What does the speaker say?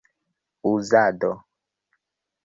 uzado